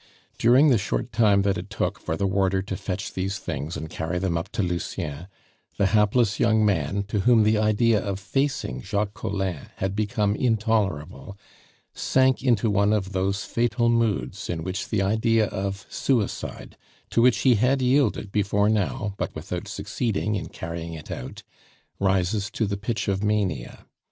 During the short time that it took for the warder to fetch these things and carry them up to Lucien, the hapless young man, to whom the idea of facing Jacques Collin had become intolerable, sank into one of those fatal moods in which the idea of suicide to which he had yielded before now, but without succeeding in carrying it out rises to the pitch of mania.